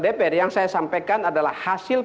dpr yang saya sampaikan adalah hasil